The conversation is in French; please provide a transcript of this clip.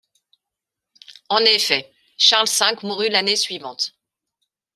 En effet, Charles V mourut l'année suivante.